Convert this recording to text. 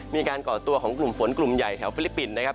ก่อตัวของกลุ่มฝนกลุ่มใหญ่แถวฟิลิปปินส์นะครับ